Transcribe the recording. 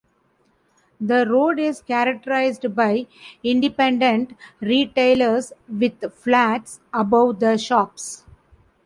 The road is characterised by independent retailers with flats above the shops.